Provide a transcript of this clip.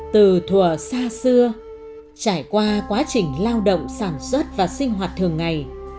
từ thùa xa xưa trải qua quá trình lao động sản xuất và sinh hoạt thường ngày